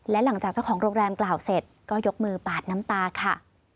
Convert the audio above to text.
และหลังจากเจ้าของโรงแรมกล่าวเสร็จก็ยกมือปาดน้ำตาค่ะ